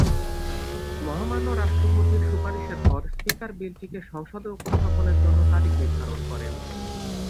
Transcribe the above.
মহামান্য রাষ্ট্রপতির সুপারিশের পর স্পীকার বিলটিকে সংসদে উপস্থাপনের জন্য তারিখ নির্ধারণ করেন।